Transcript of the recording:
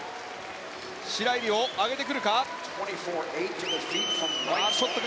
白井璃緒、上げてくるか。